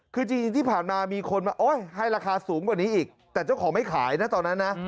คือจริงที่ผ่านมามีคนมาโอ๊ยให้ราคาสูงกว่านี้อีกแต่เจ้าของไม่ขายนะตอนนั้นนะ